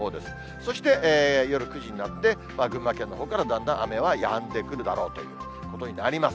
そして、夜９時になって群馬県のほうからだんだん雨はやんでくるだろうということになります。